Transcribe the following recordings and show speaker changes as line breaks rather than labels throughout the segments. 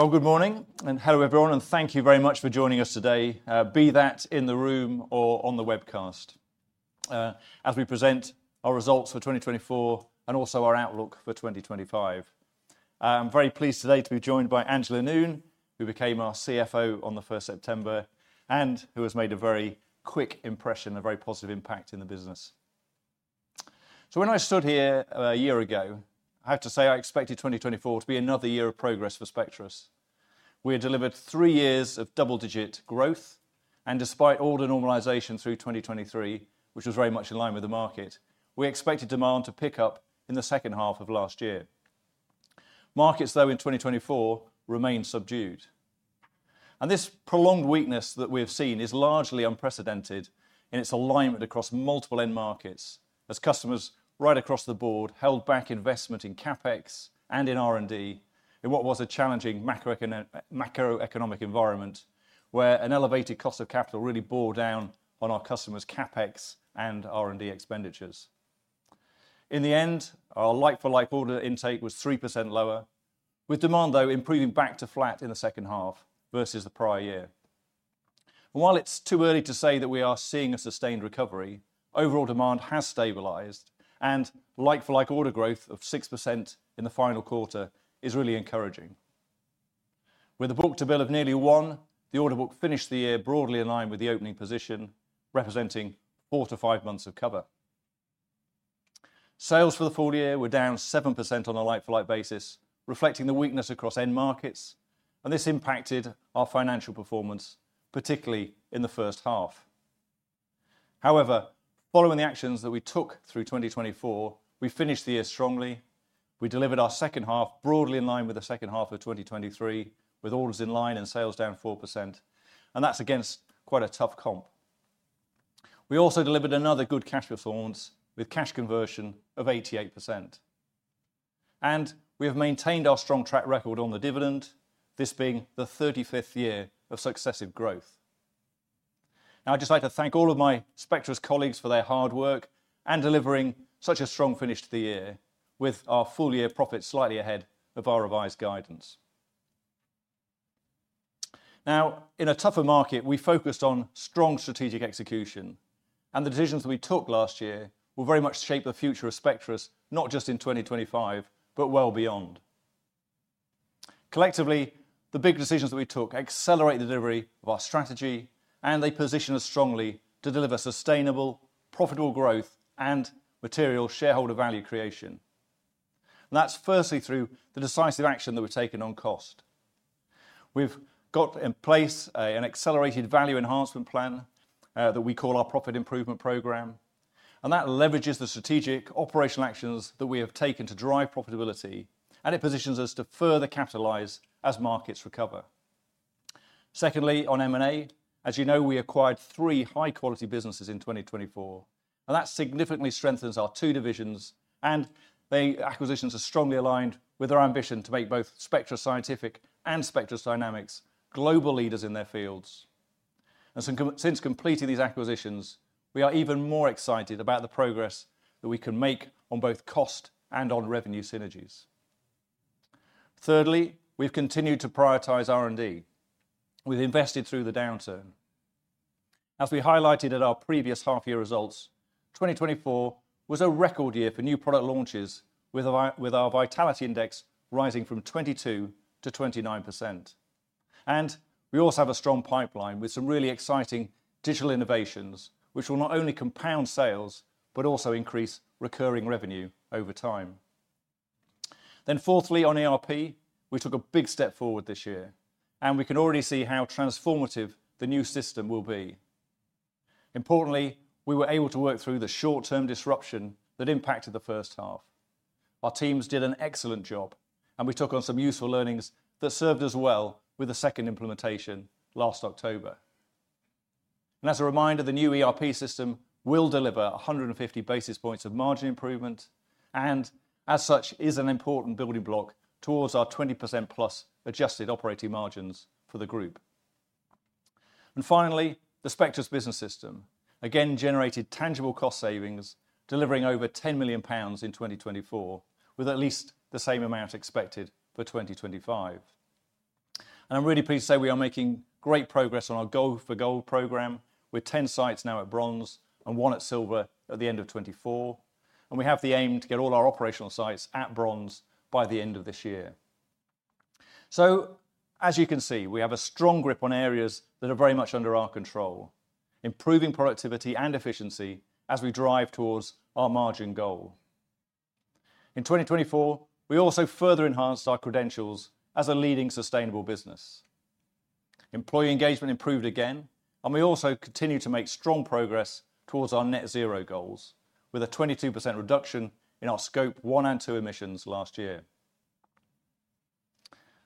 Oh, good morning, and hello everyone, and thank you very much for joining us today, be that in the room or on the webcast, as we present our results for 2024 and also our outlook for 2025. I'm very pleased today to be joined by Angela Noon, who became our CFO on the 1st of September and who has made a very quick impression, a very positive impact in the business. When I stood here a year ago, I have to say I expected 2024 to be another year of progress for Spectris. We had delivered three years of double-digit growth, and despite all the normalization through 2023, which was very much in line with the market, we expected demand to pick up in the second half of last year. Markets, though, in 2024 remained subdued. This prolonged weakness that we have seen is largely unprecedented in its alignment across multiple end markets, as customers right across the board held back investment in CapEx and in R&D in what was a challenging macroeconomic environment where an elevated cost of capital really bore down on our customers' CapEx and R&D expenditures. In the end, our like-for-like order intake was 3% lower, with demand, though, improving back to flat in the second half versus the prior year. While it's too early to say that we are seeing a sustained recovery, overall demand has stabilized, and like-for-like order growth of 6% in the final quarter is really encouraging. With a book-to-bill of nearly one, the order book finished the year broadly in line with the opening position, representing four to five months of cover. Sales for the full year were down 7% on a like-for-like basis, reflecting the weakness across end markets, and this impacted our financial performance, particularly in the first half. However, following the actions that we took through 2024, we finished the year strongly. We delivered our second half broadly in line with the second half of 2023, with orders in line and sales down 4%, and that's against quite a tough comp. We also delivered another good cash performance with cash conversion of 88%, and we have maintained our strong track record on the dividend, this being the 35th year of successive growth. Now, I'd just like to thank all of my Spectris colleagues for their hard work and delivering such a strong finish to the year, with our full-year profit slightly ahead of our revised guidance. Now, in a tougher market, we focused on strong strategic execution, and the decisions that we took last year will very much shape the future of Spectris, not just in 2025, but well beyond. Collectively, the big decisions that we took accelerate the delivery of our strategy, and they position us strongly to deliver sustainable, profitable growth and material shareholder value creation. That's firstly through the decisive action that we've taken on cost. We've got in place an accelerated value enhancement plan that we call our Profit Improvement Program, and that leverages the strategic operational actions that we have taken to drive profitability, and it positions us to further capitalize as markets recover. Secondly, on M&A, as you know, we acquired three high-quality businesses in 2024, and that significantly strengthens our two divisions, and the acquisitions are strongly aligned with our ambition to make both Spectris Scientific and Spectris Dynamics global leaders in their fields. Since completing these acquisitions, we are even more excited about the progress that we can make on both cost and on revenue synergies. Thirdly, we've continued to prioritize R&D, we've invested through the downturn. As we highlighted at our previous half-year results, 2024 was a record year for new product launches, with our Vitality Index rising from 22% to 29%, and we also have a strong pipeline with some really exciting digital innovations, which will not only compound sales, but also increase recurring revenue over time. Then fourthly, on ERP, we took a big step forward this year, and we can already see how transformative the new system will be. Importantly, we were able to work through the short-term disruption that impacted the first half. Our teams did an excellent job, and we took on some useful learnings that served us well with the second implementation last October. As a reminder, the new ERP system will deliver 150 basis points of margin improvement, and as such, is an important building block towards our 20% plus adjusted operating margins for the group. Finally, the Spectris Business System again generated tangible cost savings, delivering over 10 million pounds in 2024, with at least the same amount expected for 2025. I'm really pleased to say we are making great progress on our Gold-for-Gold program, with 10 sites now at Bronze and one at Silver at the end of 2024, and we have the aim to get all our operational sites at Bronze by the end of this year. As you can see, we have a strong grip on areas that are very much under our control, improving productivity and efficiency as we drive towards our margin goal. In 2024, we also further enhanced our credentials as a leading sustainable business. Employee engagement improved again, and we also continue to make strong progress towards our Net Zero goals, with a 22% reduction in our Scope 1 and 2 emissions last year.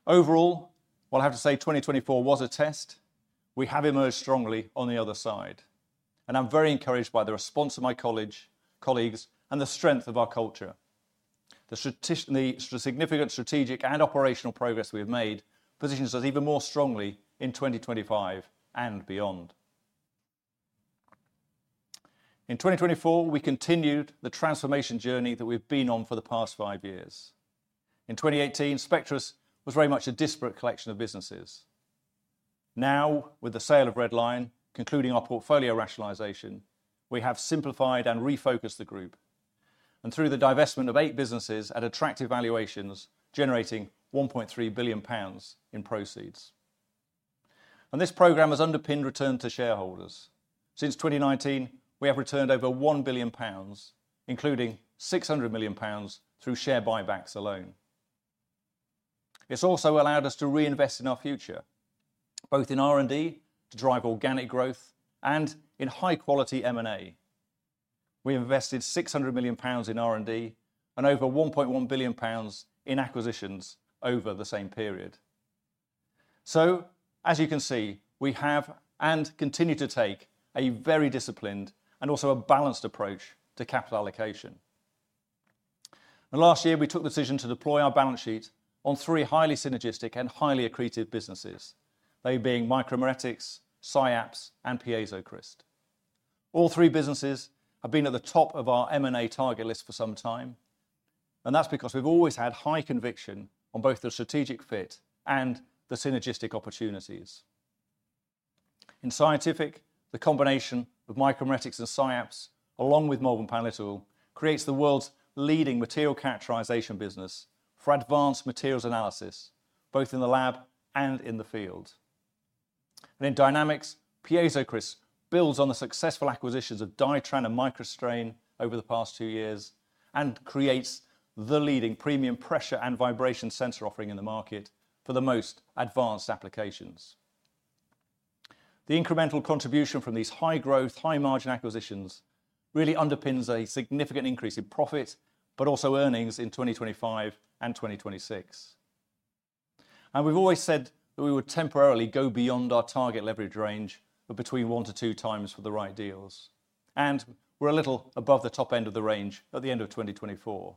Overall, while I have to say 2024 was a test, we have emerged strongly on the other side, and I'm very encouraged by the response of my colleagues and the strength of our culture. The significant strategic and operational progress we've made positions us even more strongly in 2025 and beyond. In 2024, we continued the transformation journey that we've been on for the past five years. In 2018, Spectris was very much a disparate collection of businesses. Now, with the sale of Redline, concluding our portfolio rationalization, we have simplified and refocused the group, and through the divestment of eight businesses at attractive valuations, generating 1.3 billion pounds in proceeds. This program has underpinned return to shareholders. Since 2019, we have returned over 1 billion pounds, including 600 million pounds through share buybacks alone. It's also allowed us to reinvest in our future, both in R&D to drive organic growth and in high-quality M&A. We invested 600 million pounds in R&D and over 1.1 billion pounds in acquisitions over the same period. As you can see, we have and continue to take a very disciplined and also a balanced approach to capital allocation. Last year, we took the decision to deploy our balance sheet on three highly synergistic and highly accretive businesses, they being Micromeritics, SciAps, and PiezoCryst. All three businesses have been at the top of our M&A target list for some time, and that's because we've always had high conviction on both the strategic fit and the synergistic opportunities. In Scientific, the combination of Micromeritics and SciAps, along with Malvern Panalytical, creates the world's leading material characterization business for advanced materials analysis, both in the lab and in the field. In dynamics, PiezoCryst builds on the successful acquisitions of Dytran and MicroStrain over the past two years and creates the leading premium pressure and vibration sensor offering in the market for the most advanced applications. The incremental contribution from these high-growth, high-margin acquisitions really underpins a significant increase in profit, but also earnings in 2025 and 2026. We've always said that we would temporarily go beyond our target leverage range of between one to two times for the right deals, and we're a little above the top end of the range at the end of 2024.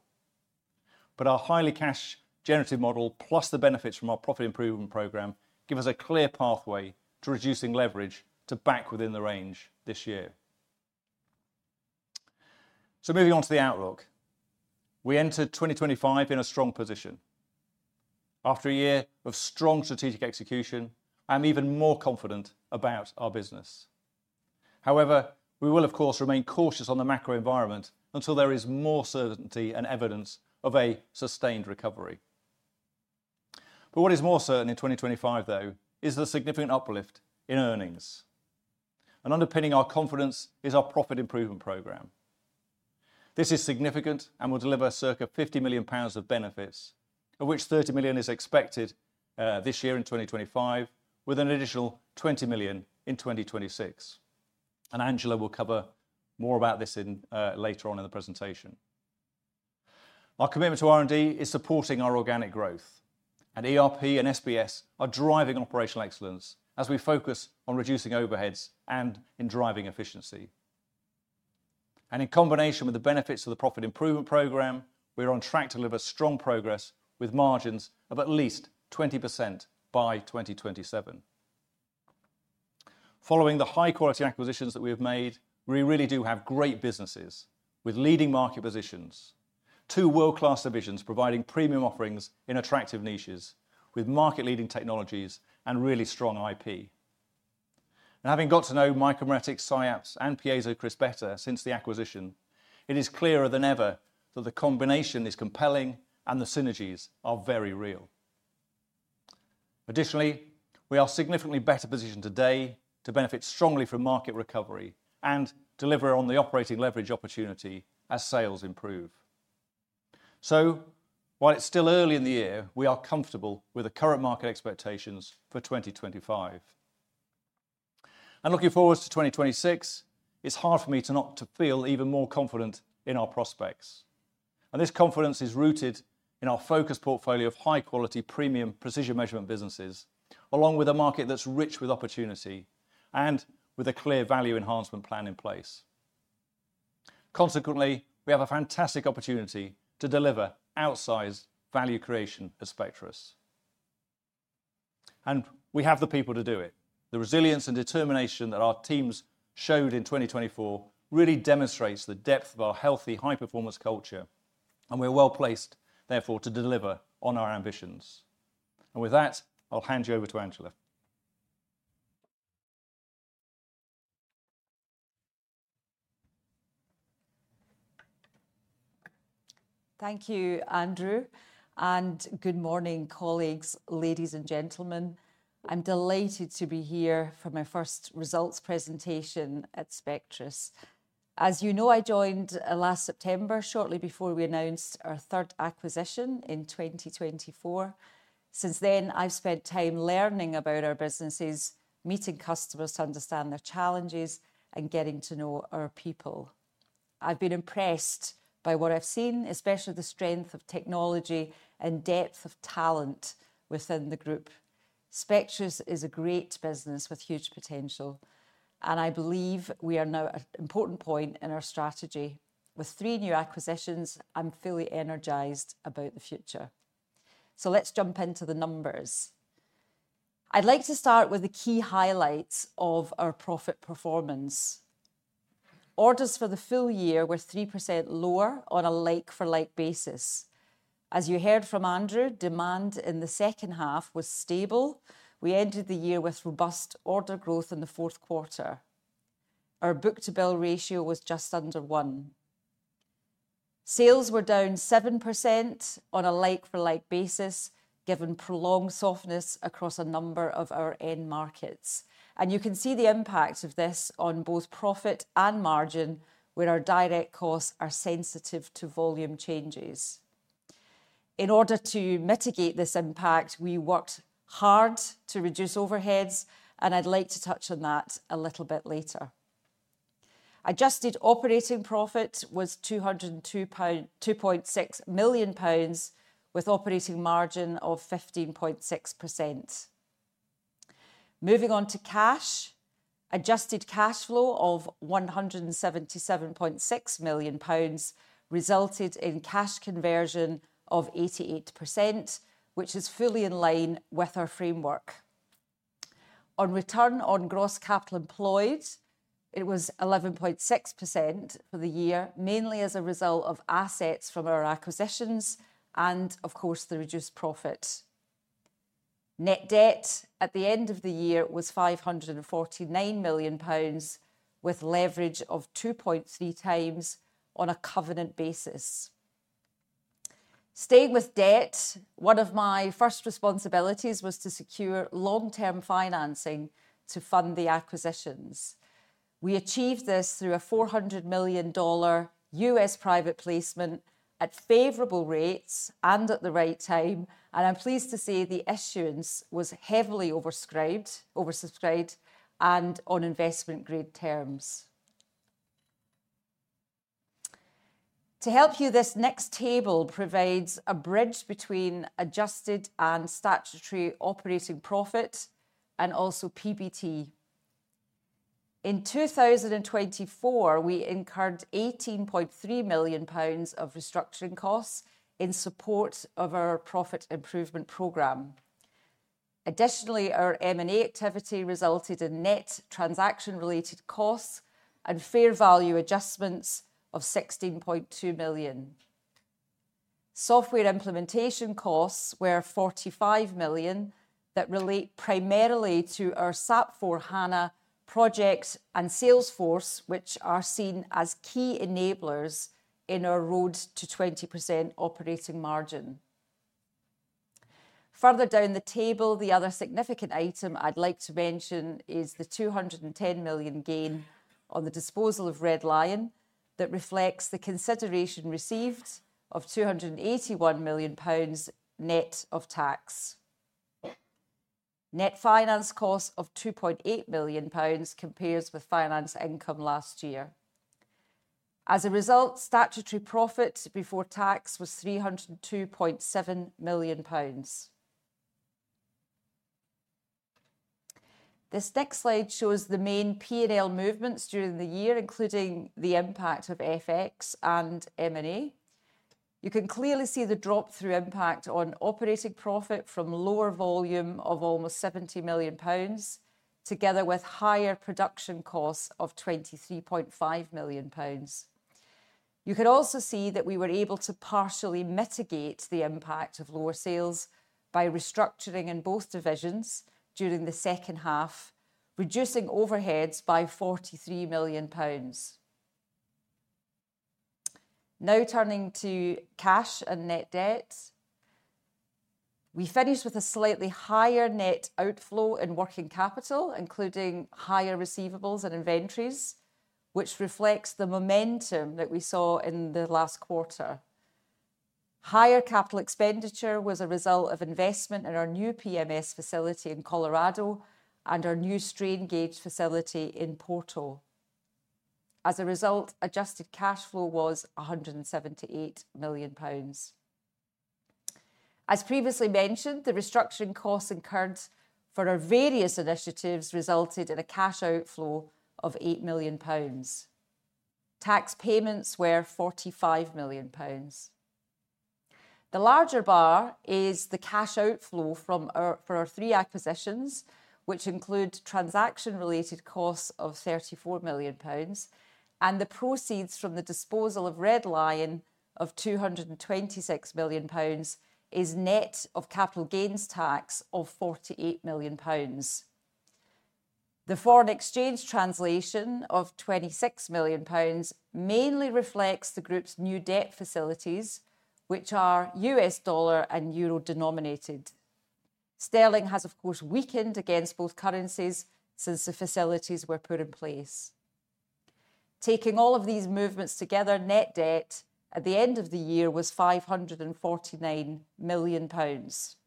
But our highly cash-generative model, plus the benefits from our Profit Improvement Program, give us a clear pathway to reducing leverage to back within the range this year. Moving on to the outlook, we entered 2025 in a strong position. After a year of strong strategic execution, I'm even more confident about our business. However, we will, of course, remain cautious on the macro environment until there is more certainty and evidence of a sustained recovery. But what is more certain in 2025, though, is the significant uplift in earnings, and underpinning our confidence is our Profit Improvement Program. This is significant and will deliver circa £50 million of benefits, of which £30 million is expected this year in 2025, with an additional £20 million in 2026. Angela will cover more about this later on in the presentation. Our commitment to R&D is supporting our organic growth, and ERP and SBS are driving operational excellence as we focus on reducing overheads and in driving efficiency. In combination with the benefits of the Profit Improvement Program, we are on track to deliver strong progress with margins of at least 20% by 2027. Following the high-quality acquisitions that we have made, we really do have great businesses with leading market positions, two world-class divisions providing premium offerings in attractive niches with market-leading technologies and really strong IP. Having got to know Micromeritics, SciAps, and PiezoCryst better since the acquisition, it is clearer than ever that the combination is compelling and the synergies are very real. Additionally, we are significantly better positioned today to benefit strongly from market recovery and deliver on the operating leverage opportunity as sales improve. While it's still early in the year, we are comfortable with the current market expectations for 2025. Looking forward to 2026, it's hard for me to not feel even more confident in our prospects. This confidence is rooted in our focused portfolio of high-quality premium precision measurement businesses, along with a market that's rich with opportunity and with a clear value enhancement plan in place. Consequently, we have a fantastic opportunity to deliver outsized value creation at Spectris. We have the people to do it. The resilience and determination that our teams showed in 2024 really demonstrates the depth of our healthy, high-performance culture, and we are well placed, therefore, to deliver on our ambitions. With that, I'll hand you over to Angela.
Thank you, Andrew. Good morning, colleagues, ladies and gentlemen. I'm delighted to be here for my first results presentation at Spectris. As you know, I joined last September, shortly before we announced our third acquisition in 2024. Since then, I've spent time learning about our businesses, meeting customers to understand their challenges, and getting to know our people. I've been impressed by what I've seen, especially the strength of technology and depth of talent within the group. Spectris is a great business with huge potential, and I believe we are now at an important point in our strategy. With three new acquisitions, I'm fully energized about the future. So let's jump into the numbers. I'd like to start with the key highlights of our profit performance. Orders for the full year were 3% lower on a like-for-like basis. As you heard from Andrew, demand in the second half was stable. We entered the year with robust order growth in the fourth quarter. Our book-to-bill ratio was just under one. Sales were down 7% on a like-for-like basis, given prolonged softness across a number of our end markets. You can see the impact of this on both profit and margin, where our direct costs are sensitive to volume changes. In order to mitigate this impact, we worked hard to reduce overheads, and I'd like to touch on that a little bit later. Adjusted operating profit was 202.6 million pound, with operating margin of 15.6%. Moving on to cash, adjusted cash flow of 177.6 million pounds resulted in cash conversion of 88%, which is fully in line with our framework. On return on gross capital employed, it was 11.6% for the year, mainly as a result of assets from our acquisitions and, of course, the reduced profit. Net debt at the end of the year was 549 million pounds, with leverage of 2.3 times on a covenant basis. Staying with debt, one of my first responsibilities was to secure long-term financing to fund the acquisitions. We achieved this through a $400 million US private placement at favorable rates and at the right time, and I'm pleased to say the issuance was heavily oversubscribed and on investment-grade terms. To help you, this next table provides a bridge between adjusted and statutory operating profit and also PBT. In 2024, we incurred £18.3 million of restructuring costs in support of our Profit Improvement Program. Additionally, our M&A activity resulted in net transaction-related costs and fair value adjustments of £16.2 million. Software implementation costs were £45 million that relate primarily to our SAP for HANA project and Salesforce, which are seen as key enablers in our road to 20% operating margin. Further down the table, the other significant item I'd like to mention is the £210 million gain on the disposal of Redline that reflects the consideration received of £281 million net of tax. Net finance cost of £2.8 million compares with finance income last year. As a result, statutory profit before tax was £302.7 million. This next slide shows the main P&L movements during the year, including the impact of FX and M&A. You can clearly see the drop-through impact on operating profit from lower volume of almost £70 million, together with higher production costs of £23.5 million. You can also see that we were able to partially mitigate the impact of lower sales by restructuring in both divisions during the second half, reducing overheads by £43 million. Now turning to cash and net debt, we finished with a slightly higher net outflow in working capital, including higher receivables and inventories, which reflects the momentum that we saw in the last quarter. Higher capital expenditure was a result of investment in our new PMS facility in Colorado and our new strain gauge facility in Porto. As a result, adjusted cash flow was 178 million pounds. As previously mentioned, the restructuring costs incurred for our various initiatives resulted in a cash outflow of 8 million pounds. Tax payments were 45 million pounds. The larger bar is the cash outflow from our three acquisitions, which include transaction-related costs of 34 million pounds, and the proceeds from the disposal of Redline of 226 million pounds is net of capital gains tax of 48 million pounds. The foreign exchange translation of 26 million pounds mainly reflects the group's new debt facilities, which are U.S. dollar and euro denominated. Sterling has, of course, weakened against both currencies since the facilities were put in place. Taking all of these movements together, net debt at the end of the year was 549 million pounds.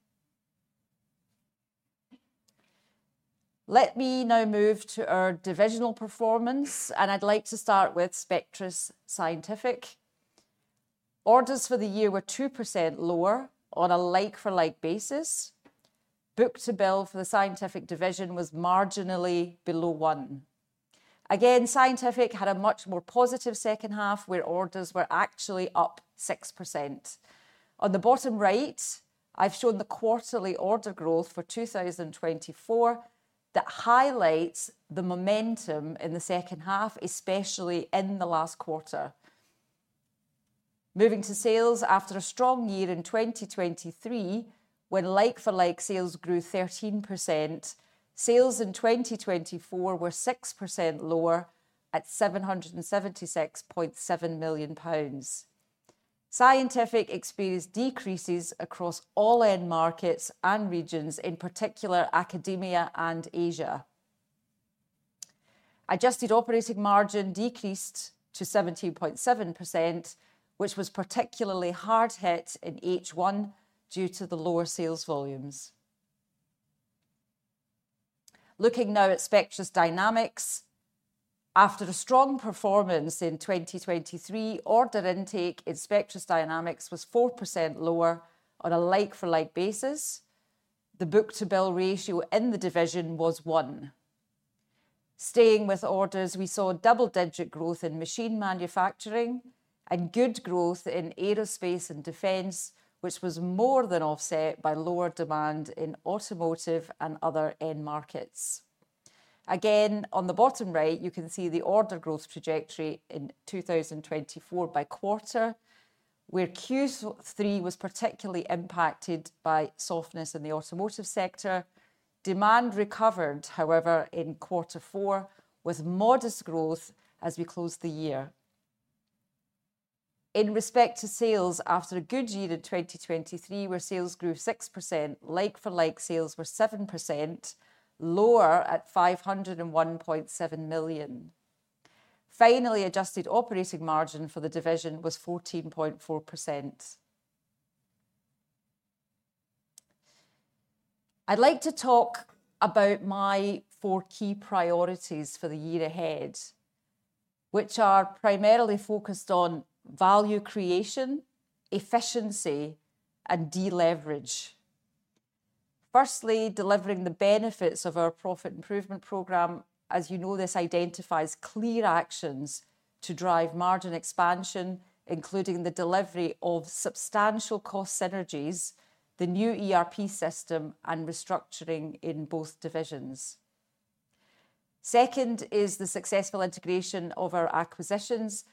Let me now move to our divisional performance, and I'd like to start with Spectris Scientific. Orders for the year were 2% lower on a like-for-like basis. Book-to-bill for the scientific division was marginally below one. Again, scientific had a much more positive second half, where orders were actually up 6%. On the bottom right, I've shown the quarterly order growth for 2024 that highlights the momentum in the second half, especially in the last quarter. Moving to sales after a strong year in 2023, when like-for-like sales grew 13%, sales in 2024 were 6% lower at 776.7 million pounds. Scientific experienced decreases across all end markets and regions, in particular academia and Asia. Adjusted operating margin decreased to 17.7%, which was particularly hard hit in H1 due to the lower sales volumes. Looking now at Spectris Dynamics, after the strong performance in 2023, order intake in Spectris Dynamics was 4% lower on a like-for-like basis. The book-to-bill ratio in the division was one. Staying with orders, we saw double-digit growth in machine manufacturing and good growth in aerospace and defense, which was more than offset by lower demand in automotive and other end markets. Again, on the bottom right, you can see the order growth trajectory in 2024 by quarter, where Q3 was particularly impacted by softness in the automotive sector. Demand recovered, however, in quarter four with modest growth as we closed the year. In respect to sales, after a good year in 2023, where sales grew 6%, like-for-like sales were 7% lower at 501.7 million. Finally, adjusted operating margin for the division was 14.4%. I'd like to talk about my four key priorities for the year ahead, which are primarily focused on value creation, efficiency, and deleverage. Firstly, delivering the benefits of our Profit Improvement Program. As you know, this identifies clear actions to drive margin expansion, including the delivery of substantial cost synergies, the new ERP system, and restructuring in both divisions. Second is the successful integration of our acquisitions.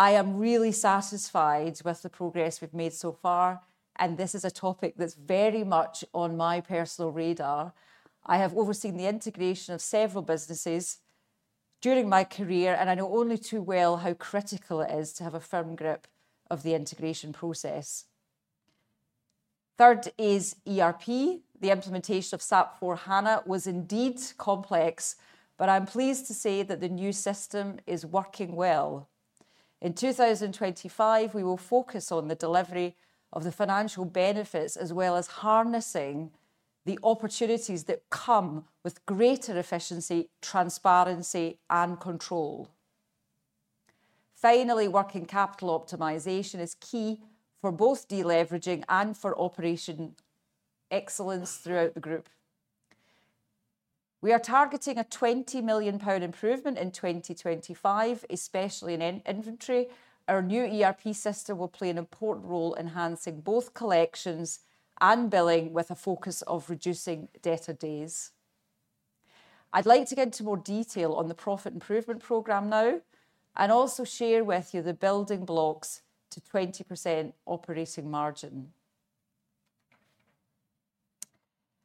I am really satisfied with the progress we've made so far, and this is a topic that's very much on my personal radar. I have overseen the integration of several businesses during my career, and I know only too well how critical it is to have a firm grip of the integration process. Third is ERP. The implementation of SAP for HANA was indeed complex, but I'm pleased to say that the new system is working well. In 2025, we will focus on the delivery of the financial benefits, as well as harnessing the opportunities that come with greater efficiency, transparency, and control. Finally, working capital optimization is key for both deleveraging and for operational excellence throughout the group. We are targeting a 20 million pound improvement in 2025, especially in inventory. Our new ERP system will play an important role in enhancing both collections and billing with a focus on reducing debtor days. I'd like to get into more detail on the Profit Improvement Program now and also share with you the building blocks to 20% operating margin.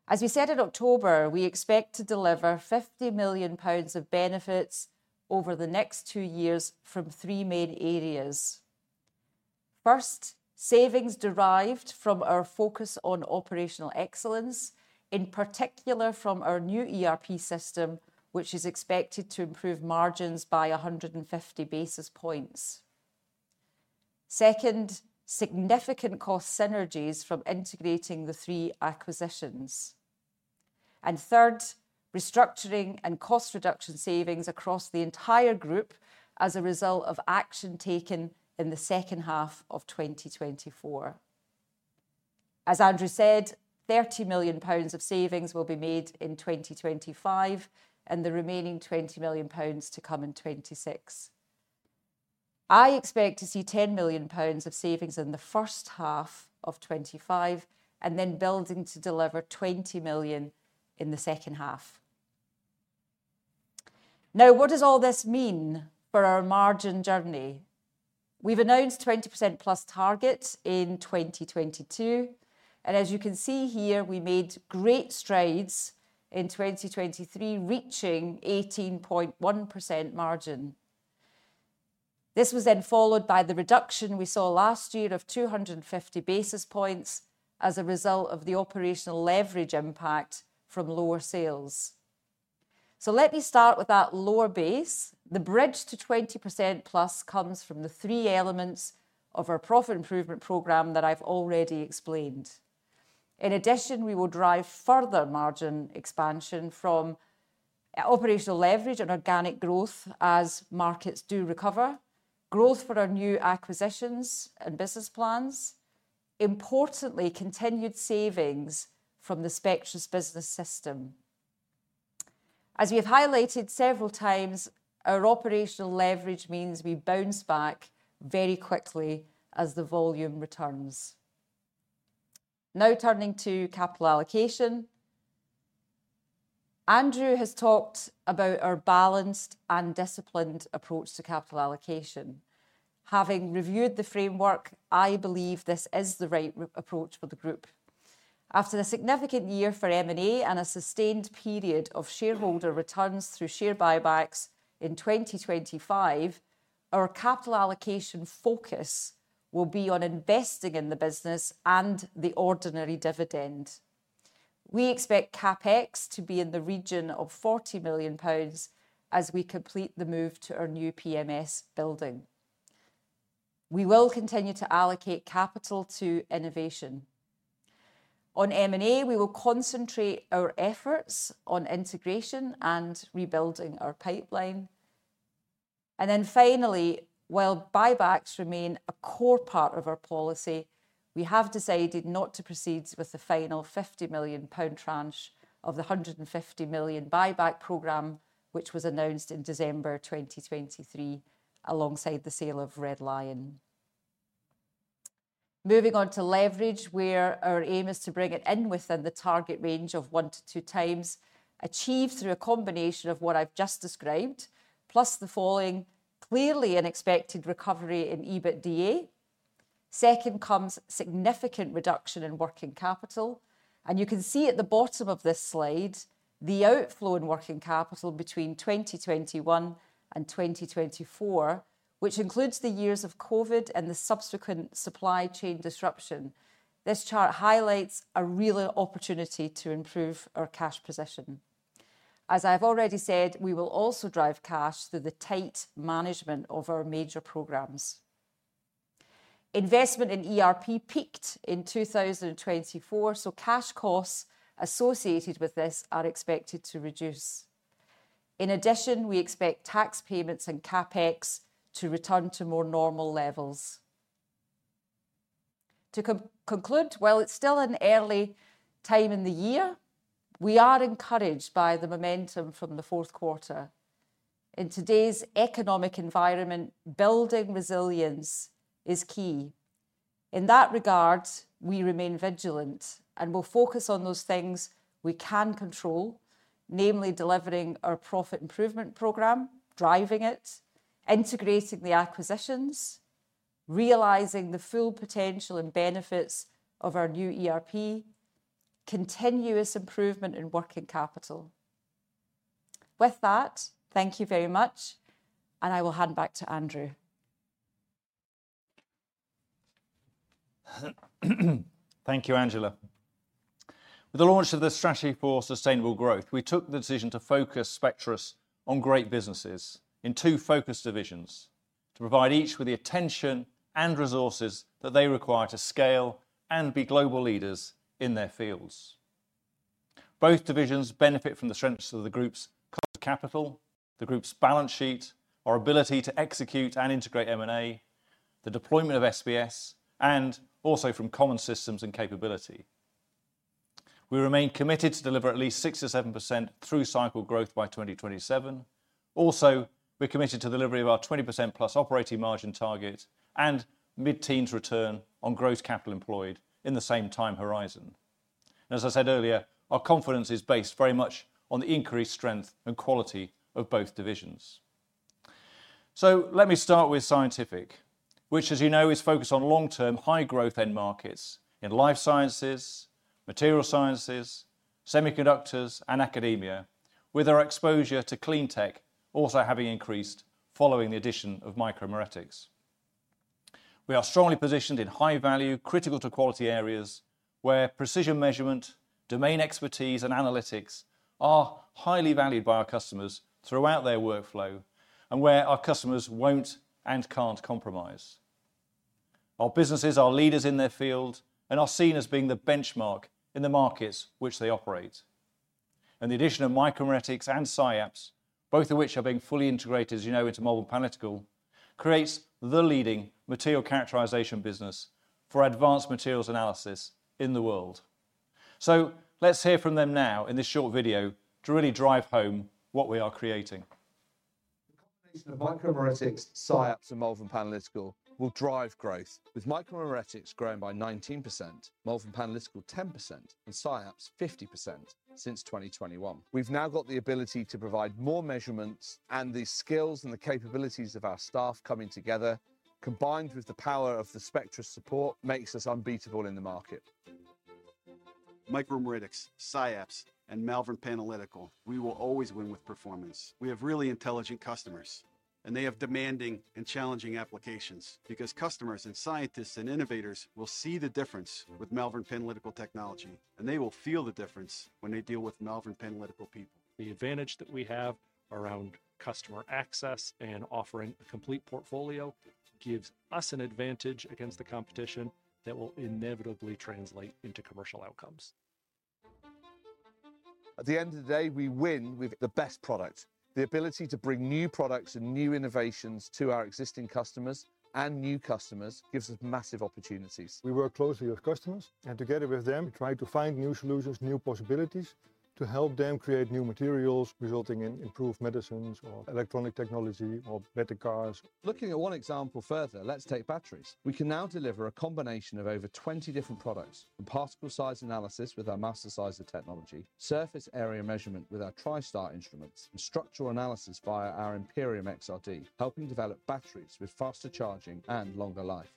As we said in October, we expect to deliver 50 million pounds of benefits over the next two years from three main areas. First, savings derived from our focus on operational excellence, in particular from our new ERP system, which is expected to improve margins by 150 basis points. Second, significant cost synergies from integrating the three acquisitions. And third, restructuring and cost reduction savings across the entire group as a result of action taken in the second half of 2024. As Andrew said, 30 million pounds of savings will be made in 2025 and the remaining 20 million pounds to come in 2026. I expect to see 10 million pounds of savings in the first half of 2025 and then building to deliver 20 million in the second half. Now, what does all this mean for our margin journey? We've announced 20% plus targets in 2022, and as you can see here, we made great strides in 2023, reaching 18.1% margin. This was then followed by the reduction we saw last year of 250 basis points as a result of the operational leverage impact from lower sales. Let me start with that lower base. The bridge to 20% plus comes from the three elements of our Profit Improvement Program that I've already explained. In addition, we will drive further margin expansion from operational leverage and organic growth as markets do recover, growth for our new acquisitions and business plans, importantly, continued savings from the Spectris Business System. As we have highlighted several times, our operational leverage means we bounce back very quickly as the volume returns. Now turning to capital allocation, Andrew has talked about our balanced and disciplined approach to capital allocation. Having reviewed the framework, I believe this is the right approach for the group. After a significant year for M&A and a sustained period of shareholder returns through share buybacks in 2025, our capital allocation focus will be on investing in the business and the ordinary dividend. We expect CapEx to be in the region of £40 million as we complete the move to our new PMS building. We will continue to allocate capital to innovation. On M&A, we will concentrate our efforts on integration and rebuilding our pipeline. And then finally, while buybacks remain a core part of our policy, we have decided not to proceed with the final £50 million tranche of the £150 million buyback program, which was announced in December 2023 alongside the sale of Redline. Moving on to leverage, where our aim is to bring it in within the target range of one to two times achieved through a combination of what I've just described, plus the following clearly unexpected recovery in EBITDA. Second comes significant reduction in working capital. You can see at the bottom of this slide the outflow in working capital between 2021 and 2024, which includes the years of COVID and the subsequent supply chain disruption. This chart highlights a real opportunity to improve our cash position. As I've already said, we will also drive cash through the tight management of our major programs. Investment in ERP peaked in 2024, so cash costs associated with this are expected to reduce. In addition, we expect tax payments and CapEx to return to more normal levels. To conclude, while it's still an early time in the year, we are encouraged by the momentum from the fourth quarter. In today's economic environment, building resilience is key. In that regards, we remain vigilant and will focus on those things we can control, namely delivering our Profit Improvement Program, driving it, integrating the acquisitions, realizing the full potential and benefits of our new ERP, continuous improvement in working capital. With that, thank you very much, and I will hand back to Andrew.
Thank you, Angela. With the launch of the Strategy for Sustainable Growth, we took the decision to focus Spectris on great businesses in two focus divisions to provide each with the attention and resources that they require to scale and be global leaders in their fields. Both divisions benefit from the strengths of the group's cost of capital, the group's balance sheet, our ability to execute and integrate M&A, the deployment of SBS, and also from common systems and capability. We remain committed to deliver at least 6%-7% through cycle growth by 2027. Also, we're committed to delivery of our 20% plus operating margin target and mid-teens return on gross capital employed in the same time horizon. As I said earlier, our confidence is based very much on the increased strength and quality of both divisions. Let me start with Scientific, which, as you know, is focused on long-term high-growth end markets in life sciences, material sciences, semiconductors, and academia, with our exposure to clean tech also having increased following the addition of Micromeritics. We are strongly positioned in high-value, critical-to-quality areas where precision measurement, domain expertise, and analytics are highly valued by our customers throughout their workflow and where our customers won't and can't compromise. Our businesses are leaders in their field and are seen as being the benchmark in the markets which they operate. The addition of Micromeritics and SciAps, both of which are being fully integrated, as you know, into Malvern Panalytical, creates the leading materials characterization business for advanced materials analysis in the world. Let's hear from them now in this short video to really drive home what we are creating.
The combination of Micromeritics, SciAps, and Malvern Panalytical will drive growth, with Micromeritics growing by 19%, Malvern Panalytical 10%, and SciAps 50% since 2021. We've now got the ability to provide more measurements, and the skills and the capabilities of our staff coming together, combined with the power of the Spectris support, makes us unbeatable in the market. Micromeritics, SciAps, and Malvern Panalytical, we will always win with performance. We have really intelligent customers, and they have demanding and challenging applications because customers and scientists and innovators will see the difference with Malvern Panalytical technology, and they will feel the difference when they deal with Malvern Panalytical people. The advantage that we have around customer access and offering a complete portfolio gives us an advantage against the competition that will inevitably translate into commercial outcomes. At the end of the day, we win with the best product. The ability to bring new products and new innovations to our existing customers and new customers gives us massive opportunities. We work closely with customers, and together with them, we try to find new solutions, new possibilities to help them create new materials, resulting in improved medicines or electronic technology or better cars. Looking at one example further, let's take batteries. We can now deliver a combination of over 20 different products: particle size analysis with our Mastersizer technology, surface area measurement with our TriStar instruments, and structural analysis via our Empyrean XRD, helping develop batteries with faster charging and longer life.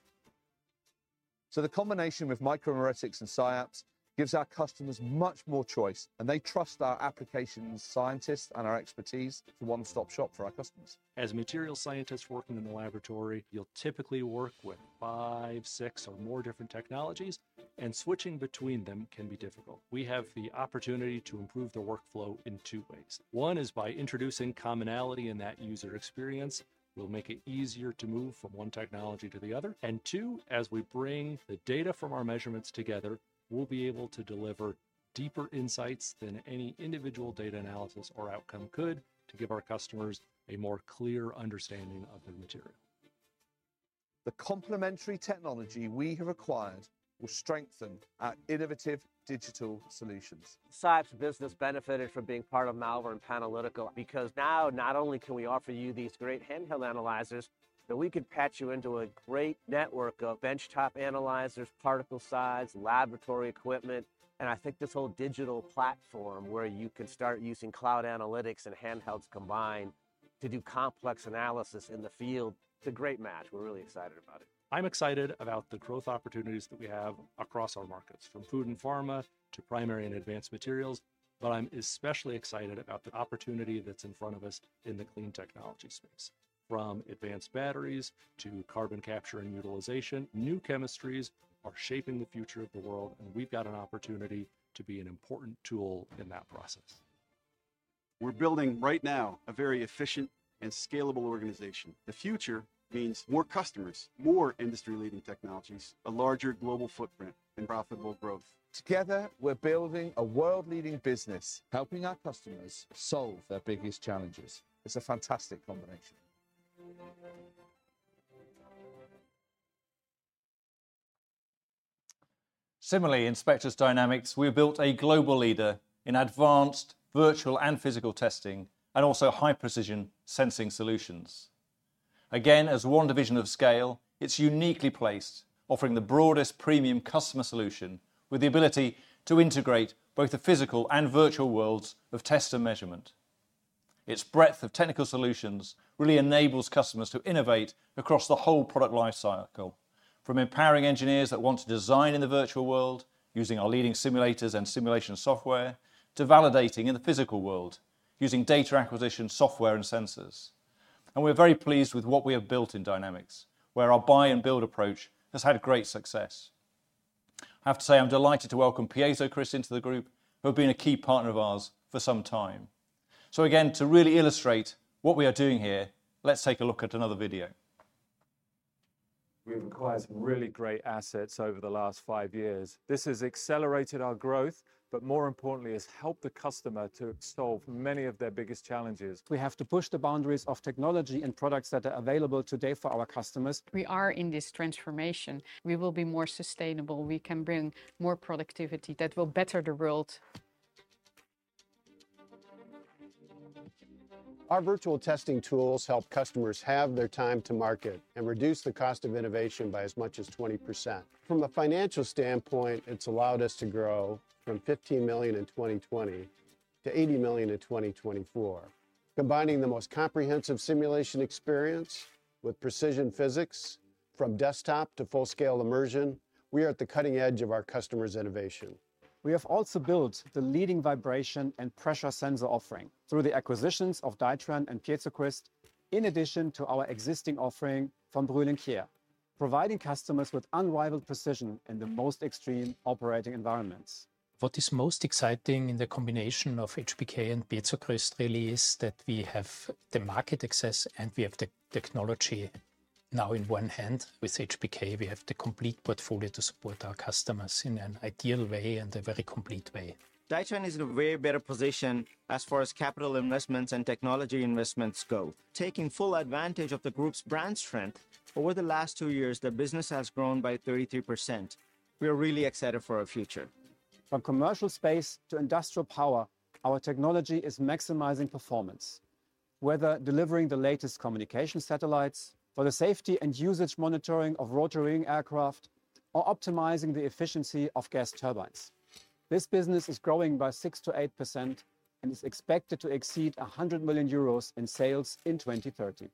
The combination with Micromeritics and SciAps gives our customers much more choice, and they trust our application scientists and our expertise as a one-stop shop for our customers. As a materials scientist working in the laboratory, you'll typically work with five, six, or more different technologies, and switching between them can be difficult. We have the opportunity to improve the workflow in two ways. One is by introducing commonality in that user experience. We'll make it easier to move from one technology to the other. Two, as we bring the data from our measurements together, we'll be able to deliver deeper insights than any individual data analysis or outcome could to give our customers a more clear understanding of the material. The complementary technology we have acquired will strengthen our innovative digital solutions. SciAps business benefited from being part of Malvern Panalytical because now not only can we offer you these great handheld analyzers, but we can patch you into a great network of benchtop analyzers, particle size, laboratory equipment, and I think this whole digital platform where you can start using cloud analytics and handhelds combined to do complex analysis in the field. It's a great match. We're really excited about it. I'm excited about the growth opportunities that we have across our markets, from food and pharma to primary and advanced materials, but I'm especially excited about the opportunity that's in front of us in the clean technology space. From advanced batteries to carbon capture and utilization, new chemistries are shaping the future of the world, and we've got an opportunity to be an important tool in that process. We're building right now a very efficient and scalable organization. The future means more customers, more industry-leading technologies, a larger global footprint, and profitable growth. Together, we're building a world-leading business, helping our customers solve their biggest challenges. It's a fantastic combination.
Similarly, in Spectris Dynamics, we've built a global leader in advanced virtual and physical testing and also high-precision sensing solutions. Again, as one division of scale, it's uniquely placed, offering the broadest premium customer solution with the ability to integrate both the physical and virtual worlds of test and measurement. Its breadth of technical solutions really enables customers to innovate across the whole product lifecycle, from empowering engineers that want to design in the virtual world using our leading simulators and simulation software to validating in the physical world using data acquisition software and sensors. We're very pleased with what we have built in Dynamics, where our buy-and-build approach has had great success. I have to say I'm delighted to welcome Piezocryst into the group, who have been a key partner of ours for some time. S again, to really illustrate what we are doing here, let's take a look at another video.
We've acquired some really great assets over the last five years. This has accelerated our growth, but more importantly, has helped the customer to solve many of their biggest challenges. We have to push the boundaries of technology and products that are available today for our customers. We are in this transformation. We will be more sustainable. We can bring more productivity that will better the world. Our virtual testing tools help customers have their time to market and reduce the cost of innovation by as much as 20%. From a financial standpoint, it's allowed us to grow from 15 million in 2020 to 80 million in 2024. Combining the most comprehensive simulation experience with precision physics from desktop to full-scale immersion, we are at the cutting edge of our customers' innovation. We have also built the leading vibration and pressure sensor offering through the acquisitions of Dytran and PiezoCryst, in addition to our existing offering from Brüel & Kjær, providing customers with unrivaled precision in the most extreme operating environments. What is most exciting in the combination of HBK and PiezoCryst really is that we have the market access and we have the technology now in one hand. With HBK, we have the complete portfolio to support our customers in an ideal way and a very complete way. Dytran is in a way better position as far as capital investments and technology investments go. Taking full advantage of the group's brand strength, over the last two years, the business has grown by 33%. We are really excited for our future. From commercial space to industrial power, our technology is maximizing performance, whether delivering the latest communication satellites, for the safety and usage monitoring of rotary-wing aircraft, or optimizing the efficiency of gas turbines. This business is growing by 6%-8% and is expected to exceed 100 million euros in sales in 2030.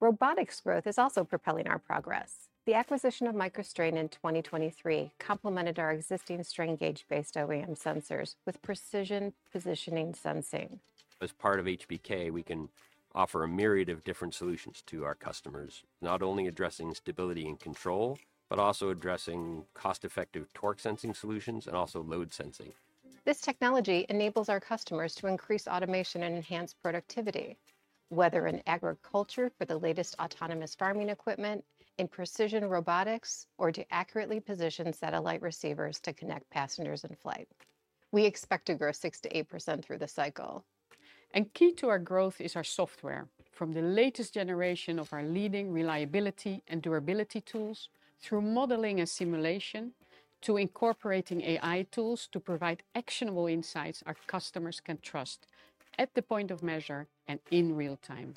Robotics growth is also propelling our progress. The acquisition of MicroStrain in 2023 complemented our existing strain gauge-based OEM sensors with precision positioning sensing. As part of HBK, we can offer a myriad of different solutions to our customers, not only addressing stability and control, but also addressing cost-effective torque sensing solutions and also load sensing. This technology enables our customers to increase automation and enhance productivity, whether in agriculture for the latest autonomous farming equipment, in precision robotics, or to accurately position satellite receivers to connect passengers in flight. We expect to grow 6%-8% through the cycle, and key to our growth is our software, from the latest generation of our leading reliability and durability tools, through modeling and simulation, to incorporating AI tools to provide actionable insights our customers can trust at the point of measure and in real time.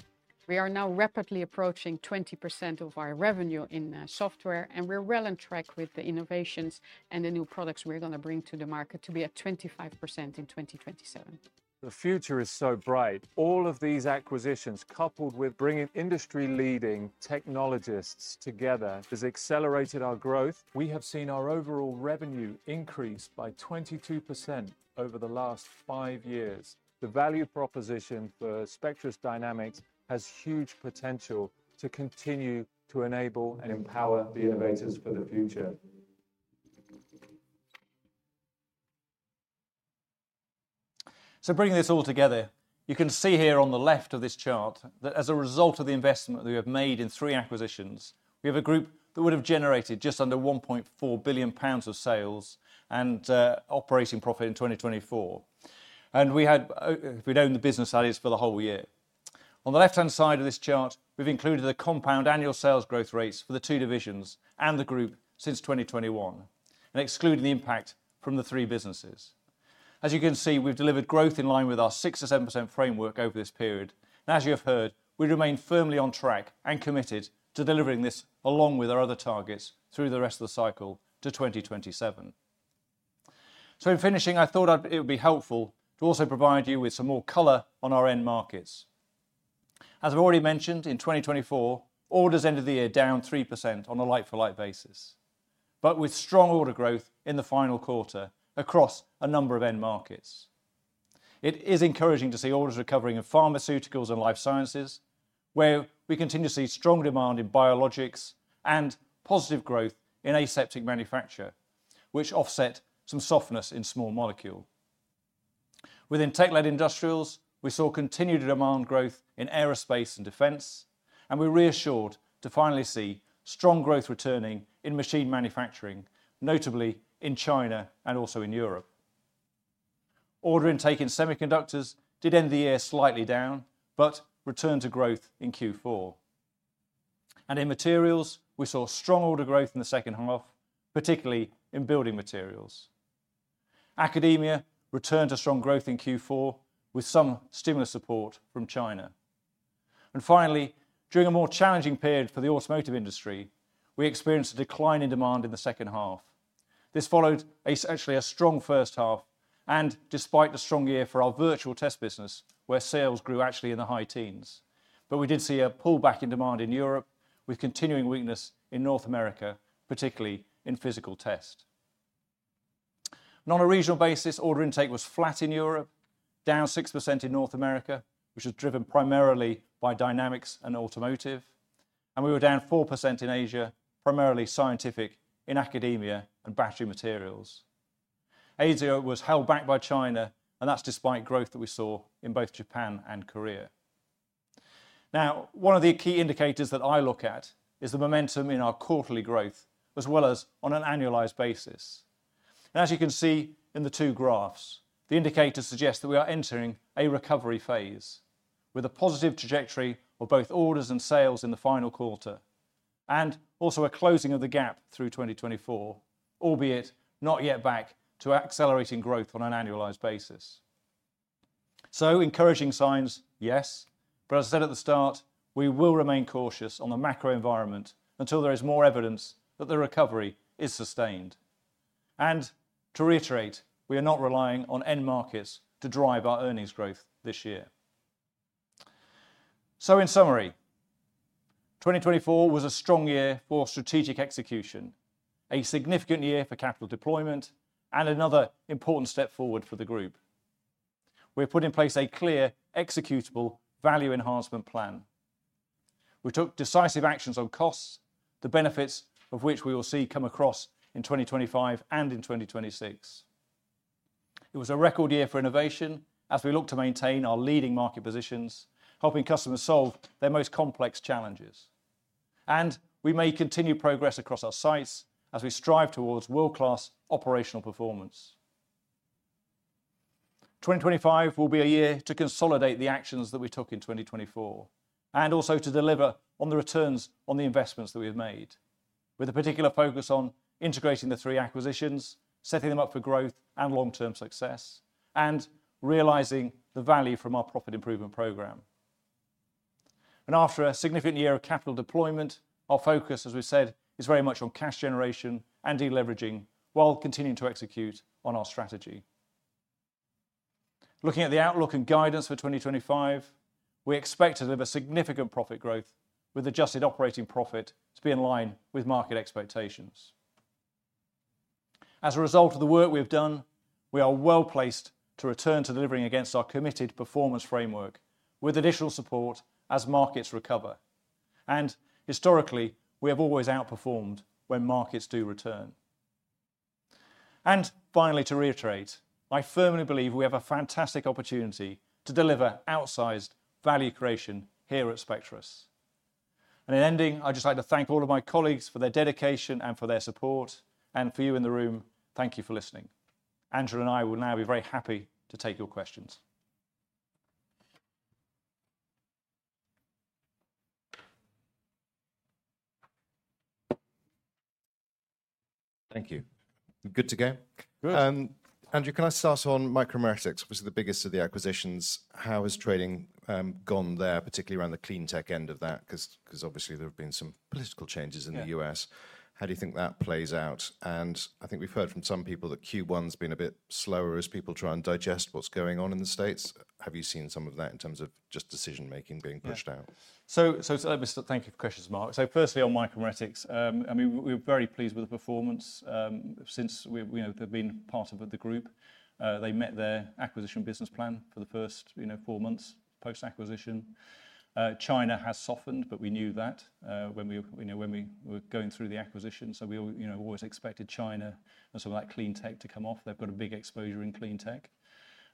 We are now rapidly approaching 20% of our revenue in software, and we're well on track with the innovations and the new products we're going to bring to the market to be at 25% in 2027. The future is so bright. All of these acquisitions, coupled with bringing industry-leading technologists together, have accelerated our growth. We have seen our overall revenue increase by 22% over the last five years. The value proposition for Spectris Dynamics has huge potential to continue to enable and empower the innovators for the future.
Bringing this all together, you can see here on the left of this chart that as a result of the investment that we have made in three acquisitions, we have a group that would have generated just under £1.4 billion of sales and operating profit in 2024. We had, if we'd owned the business, that is for the whole year. On the left-hand side of this chart, we've included the compound annual sales growth rates for the two divisions and the group since 2021, and excluded the impact from the three businesses. As you can see, we've delivered growth in line with our 6%-7% framework over this period. And as you have heard, we remain firmly on track and committed to delivering this along with our other targets through the rest of the cycle to 2027. In finishing, I thought it would be helpful to also provide you with some more color on our end markets. As I've already mentioned, in 2024, orders ended the year down 3% on a like-for-like basis, but with strong order growth in the final quarter across a number of end markets. It is encouraging to see orders recovering in pharmaceuticals and life sciences, where we continue to see strong demand in biologics and positive growth in aseptic manufacture, which offset some softness in small molecules. Within tech-led industrials, we saw continued demand growth in aerospace and defense, and we're reassured to finally see strong growth returning in machine manufacturing, notably in China and also in Europe. Order intake in semiconductors did end the year slightly down, but returned to growth in Q4. And in materials, we saw strong order growth in the second half, particularly in building materials. Academia returned to strong growth in Q4 with some stimulus support from China, and finally, during a more challenging period for the automotive industry, we experienced a decline in demand in the second half. This followed essentially a strong first half, and despite the strong year for our virtual test business, where sales grew actually in the high teens, but we did see a pullback in demand in Europe with continuing weakness in North America, particularly in physical test. On our regional basis, order intake was flat in Europe, down 6% in North America, which was driven primarily by Dynamics and automotive, and we were down 4% in Asia, primarily scientific in academia and battery materials. Asia was held back by China, and that's despite growth that we saw in both Japan and Korea. Now, one of the key indicators that I look at is the momentum in our quarterly growth, as well as on an annualized basis, and as you can see in the two graphs, the indicators suggest that we are entering a recovery phase with a positive trajectory of both orders and sales in the final quarter, and also a closing of the gap through 2024, albeit not yet back to accelerating growth on an annualized basis, so encouraging signs, yes, but as I said at the start, we will remain cautious on the macro environment until there is more evidence that the recovery is sustained. To reiterate, we are not relying on end markets to drive our earnings growth this year. In summary, 2024 was a strong year for strategic execution, a significant year for capital deployment, and another important step forward for the group. We have put in place a clear, executable value enhancement plan. We took decisive actions on costs, the benefits of which we will see come across in 2025 and in 2026. It was a record year for innovation as we look to maintain our leading market positions, helping customers solve their most complex challenges. We may continue progress across our sites as we strive towards world-class operational performance. 2025 will be a year to consolidate the actions that we took in 2024, and also to deliver on the returns on the investments that we have made, with a particular focus on integrating the three acquisitions, setting them up for growth and long-term success, and realizing the value from our Profit Improvement Program. After a significant year of capital deployment, our focus, as we said, is very much on cash generation and deleveraging while continuing to execute on our strategy. Looking at the outlook and guidance for 2025, we expect to deliver significant profit growth, with adjusted operating profit to be in line with market expectations. As a result of the work we have done, we are well placed to return to delivering against our committed performance framework, with additional support as markets recover. Historically, we have always outperformed when markets do return. Finally, to reiterate, I firmly believe we have a fantastic opportunity to deliver outsized value creation here at Spectris. In ending, I'd just like to thank all of my colleagues for their dedication and for their support. And for you in the room, thank you for listening. Angela and I will now be very happy to take your questions.
Thank you. Good to go.
Andrew, can I start on Micromeritics? Obviously, the biggest of the acquisitions. How has trading gone there, particularly around the clean tech end of that? Because obviously, there have been some political changes in the US. How do you think that plays out? And I think we've heard from some people that Q1 has been a bit slower as people try and digest what's going on in the States. Have you seen some of that in terms of just decision-making being pushed out?
Thank you for questions, Mark. Firstly, on Micromeritics, I mean, we're very pleased with the performance since we've been part of the group. They met their acquisition business plan for the first four months post-acquisition. China has softened, but we knew that when we were going through the acquisition. We always expected China and some of that clean tech to come off. They've got a big exposure in clean tech.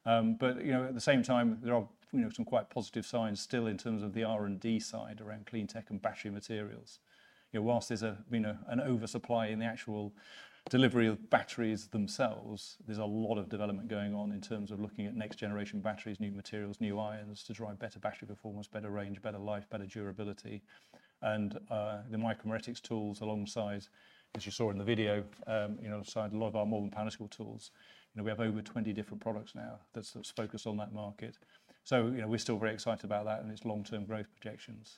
But at the same time, there are some quite positive signs still in terms of the R&D side around clean tech and battery materials. Whilst there's an oversupply in the actual delivery of batteries themselves, there's a lot of development going on in terms of looking at next-generation batteries, new materials, new ions to drive better battery performance, better range, better life, better durability, and the Micromeritics tools, alongside, as you saw in the video, alongside a lot of our more mechanical tools, we have over 20 different products now that's focused on that market. We're still very excited about that and its long-term growth projections.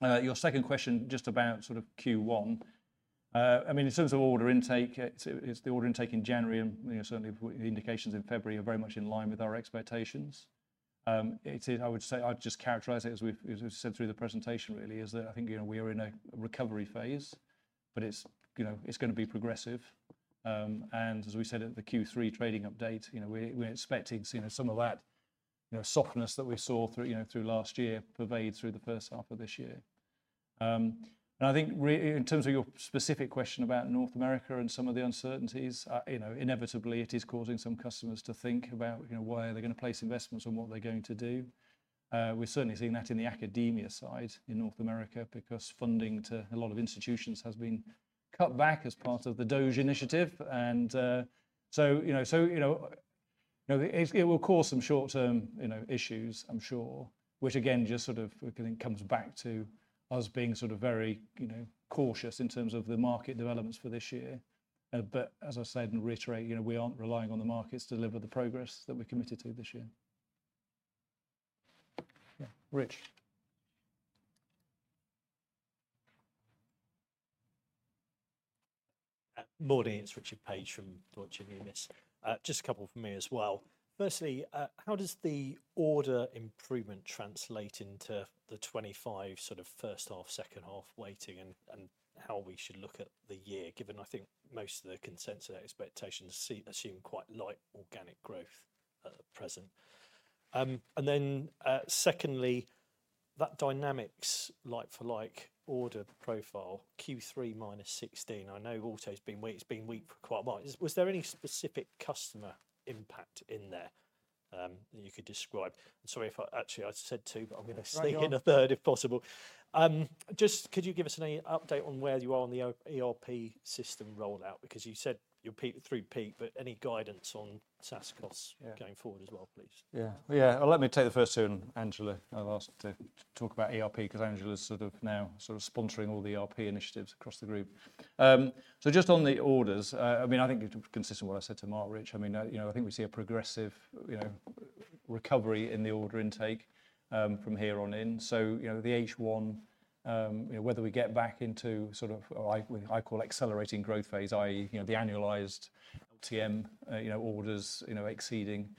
Your second question just about sort of Q1. I mean, in terms of order intake, it's the order intake in January, and certainly the indications in February are very much in line with our expectations. I would say I'd just characterize it as we've said through the presentation, really, is that I think we are in a recovery phase, but it's going to be progressive. As we said at the Q3 trading update, we're expecting some of that softness that we saw through last year pervades through the first half of this year. I think in terms of your specific question about North America and some of the uncertainties, inevitably, it is causing some customers to think about where they're going to place investments and what they're going to do. We're certainly seeing that in the academia side in North America because funding to a lot of institutions has been cut back as part of the DOGE initiative, and so it will cause some short-term issues, I'm sure, which again, just sort of I think comes back to us being sort of very cautious in terms of the market developments for this year, but as I said and reiterate, we aren't relying on the markets to deliver the progress that we're committed to this year. Yeah, Rich.
Morning, it's Richard Page from Deutsche Numis. Just a couple from me as well. Firstly, how does the order improvement translate into the 2025 sort of first half, second half weighting, and how we should look at the year, given I think most of the consensus expectations assume quite light organic growth at present? And then secondly, that Dynamics like-for-like order profile, Q3 minus 16%, I know auto's been weak, it's been weak for quite a while. Was there any specific customer impact in there that you could describe? Sorry if I actually I said two, but I'm going to sneak in a third if possible. Just could you give us an update on where you are on the ERP system rollout? Because you said through peak, but any guidance on SaaS costs going forward as well, please.
Yeah, yeah. Well, let me take the first turn, Angela. I've asked to talk about ERP because Angela's sort of now sponsoring all the ERP initiatives across the group. Just on the orders, I mean, I think it's consistent with what I said to Mark, Rich. I mean, I think we see a progressive recovery in the order intake from here on in. The H1, whether we get back into sort of what I call accelerating growth phase, i.e., the annualized TM orders exceeding,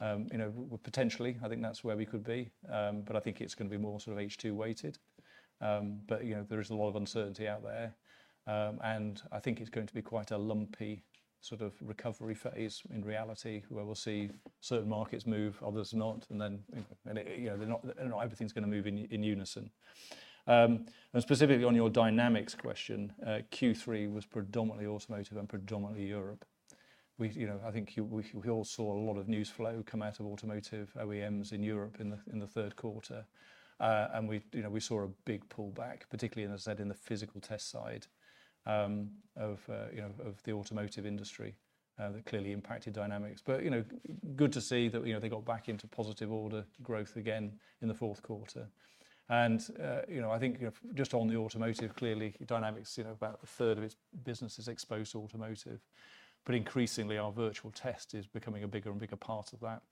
potentially, I think that's where we could be. But I think it's going to be more sort of H2 weighted. But there is a lot of uncertainty out there. I think it's going to be quite a lumpy sort of recovery phase in reality, where we'll see certain markets move, others not, and then not everything's going to move in unison. Specifically on your Dynamics question, Q3 was predominantly automotive and predominantly Europe. I think we all saw a lot of news flow come out of automotive OEMs in Europe in the third quarter. We saw a big pullback, particularly, as I said, in the physical test side of the automotive industry that clearly impacted Dynamics. Good to see that they got back into positive order growth again in the fourth quarter. I think just on the automotive, clearly, Dynamics, about a third of its business is exposed to automotive. Increasingly, our virtual test is becoming a bigger and bigger part of that.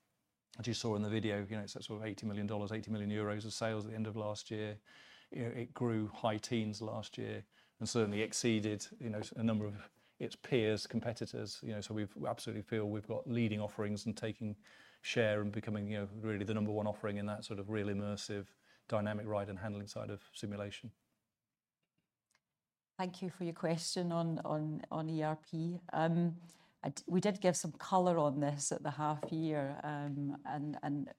As you saw in the video, it's sort of $80 million, 80 million euros of sales at the end of last year. It grew high teens last year and certainly exceeded a number of its peers, competitors. We absolutely feel we've got leading offerings and taking share and becoming really the number one offering in that sort of real immersive dynamic ride and handling side of simulation.
Thank you for your question on ERP. We did give some color on this at the half year.